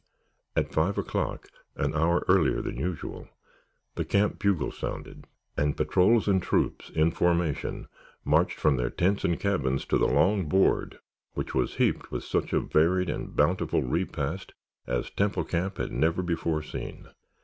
At five o'clock, an hour earlier than usual, the camp bugle sounded and patrols and troops, in formation, marched from their tents and cabins to the long board which was heaped with such a varied and bountiful repast as Temple Camp had never before seen.